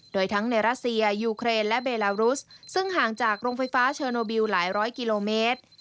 โดยทั้งในรัสเซียยูเครนและเบลารุสซึ่งห่างจากโรงไฟฟ้าเชอร์โนบิลหลายร้อยกิโลเมตร